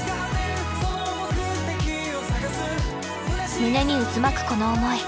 胸に渦巻くこの思い。